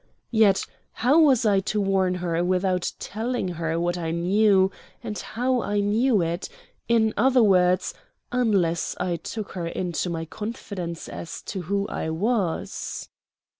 Yet how was I to warn her without telling her what I knew and how I knew it in other words, unless I took her into my confidence as to who I was?